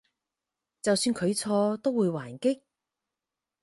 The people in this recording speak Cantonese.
就算佢錯都會還擊？